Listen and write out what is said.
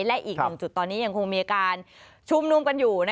และอีกหนึ่งจุดตอนนี้ยังคงมีการชุมนุมกันอยู่